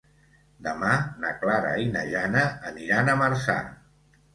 Demà na Clara i na Jana aniran a Marçà.